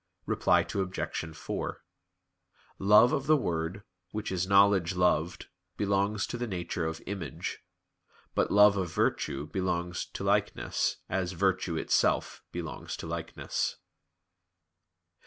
Reply Obj. 4: Love of the word, which is knowledge loved, belongs to the nature of "image"; but love of virtue belongs to "likeness," as virtue itself belongs to likeness.